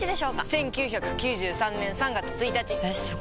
１９９３年３月１日！えすご！